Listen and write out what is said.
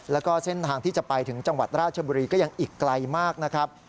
แล้วก็เส้นทางที่จะไปถึงจังหวัดราชบุรีก็ยังอีกไกลมากนะครับ